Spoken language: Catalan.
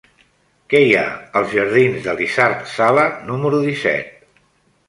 Què hi ha als jardins d'Elisard Sala número disset?